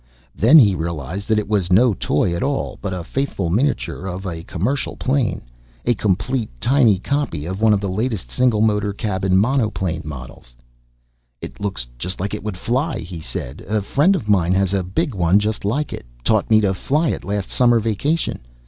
Then he realized that it was no toy at all, but a faithful miniature of a commercial plane. A complete, tiny copy of one of the latest single motor, cabin monoplane models. "It looks like it would fly," he said "a friend of mine his a big one, just like it! Taught me to fly it, last summer vacation.